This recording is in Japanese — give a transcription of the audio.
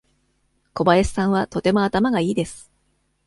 小林さんはとても頭がいいです。